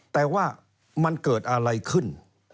แต่ว่ามันเกิดอะไรขึ้น